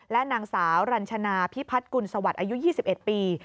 และนางสาวรัญชนาพิพัฒน์กุลสวัสดิ์อายุ๒๑ปี